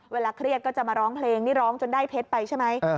เครียดก็จะมาร้องเพลงนี่ร้องจนได้เพชรไปใช่ไหม